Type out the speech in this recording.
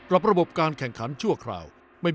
ระบบการแข่งขันชั่วคราว